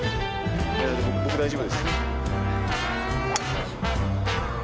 僕大丈夫です。